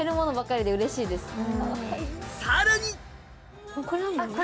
さらに！